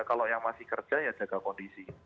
kalau yang masih kerja ya jaga kondisi